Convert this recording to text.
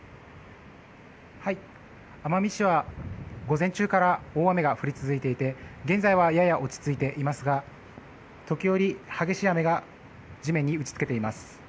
奄美市は午前中から大雨が降り続いていて現在は、やや落ち着いていますが時折、激しい雨が地面に打ち付けています。